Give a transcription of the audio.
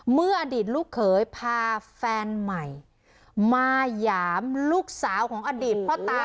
อดีตลูกเขยพาแฟนใหม่มาหยามลูกสาวของอดีตพ่อตา